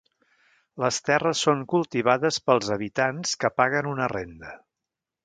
Les terres són cultivades pels habitants que paguen una renda.